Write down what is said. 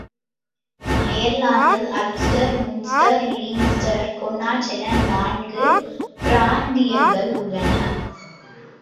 அயர்லாந்தில் Ulster, Munster, Leinster, Connacht என நான்கு பிராந்தியங்கள் உள்ளன.